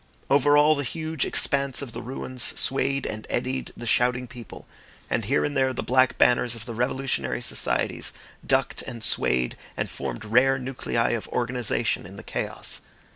Over all the huge expanse of the ruins swayed and eddied the shouting people; and here and there the black banners of the revolutionary societies ducked and swayed and formed rare nuclei of organisation in the chaos.